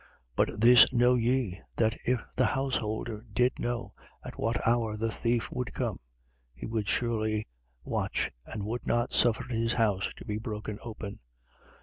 12:39. But this know ye, that if the householder did know at what hour the thief would come, he would surely watch and would not suffer his house to be broken open.